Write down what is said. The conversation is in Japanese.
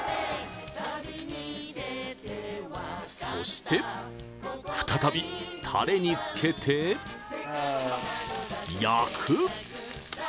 そして再びタレにつけて焼く！